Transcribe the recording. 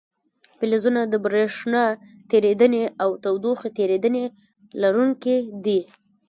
فلزونه د برېښنا تیریدنې او تودوخې تیریدنې لرونکي دي.